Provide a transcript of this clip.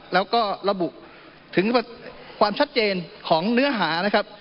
แล้วก็ระบุถึงความชัดเจนของเนื้อหานะครับ